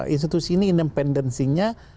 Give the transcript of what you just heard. institusi ini independensinya